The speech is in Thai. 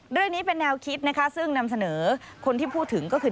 เรื่องนี้เป็นแนวคิดนะคะซึ่งนำเสนอคนที่พูดถึงก็คือ